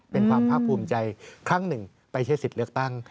เป็นความภาคภูมิใจครั้งหนึ่งไปใช้สิทธิ์เลือกตั้ง